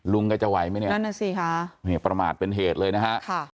ลุงแกจะไหวไหมเนี่ยนั่นน่ะสิคะเนี่ยประมาทเป็นเหตุเลยนะฮะค่ะ